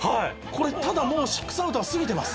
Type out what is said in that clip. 「これただもう６アウトは過ぎてます」